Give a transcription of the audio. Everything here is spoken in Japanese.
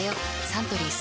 サントリー「翠」